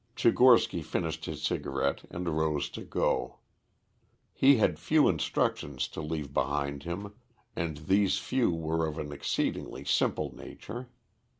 Tchigorsky finished his cigarette and rose to go. He had few instructions to leave behind him, and these few were of an exceedingly simple nature.